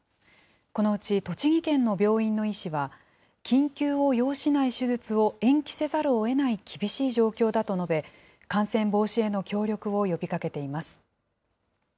このうち栃木県の病院の医師は、緊急を要しない手術を延期せざるをえない厳しい状況だと述べ、感染防止への協力を呼びかけています。